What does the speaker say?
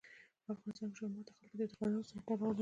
په افغانستان کې چار مغز د خلکو د اعتقاداتو سره تړاو لري.